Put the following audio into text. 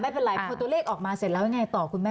ตัวเลขออกมาเสร็จแล้วยังไงต่อคุณแม่